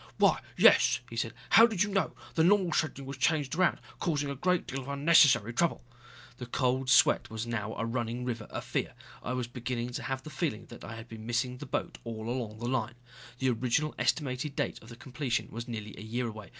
"Why, yes," he said. "How did you know? The normal scheduling was changed around, causing a great deal of unnecessary trouble." The cold sweat was now a running river of fear. I was beginning to have the feeling that I had been missing the boat all along the line. The original estimated date of completion was nearly a year away.